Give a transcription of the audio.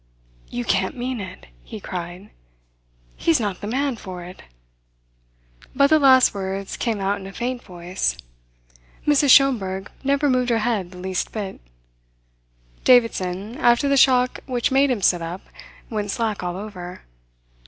"You can't mean it!" he cried. "He's not the man for it." But the last words came out in a faint voice. Mrs. Schomberg never moved her head the least bit. Davidson, after the shock which made him sit up, went slack all over.